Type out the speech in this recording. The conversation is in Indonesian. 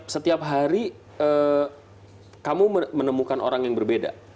setiap hari kamu menemukan orang yang berbeda